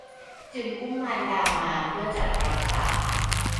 จึงอุ้มมารดามาเพื่อจะรักษา